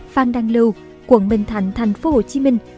phan đăng lưu quận bình thạnh thành phố hồ chí minh